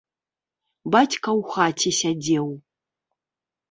Бацька ў хаце сядзеў.